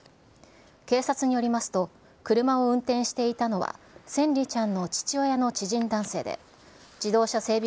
警察によりますと、車を運転していたのは、千椋ちゃんの父親の知人男性で自動車整備